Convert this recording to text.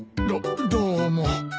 どどうも。